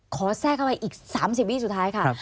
แทรกเข้าไปอีก๓๐วิสุดท้ายค่ะ